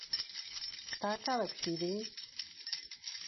¿Taka dukchide?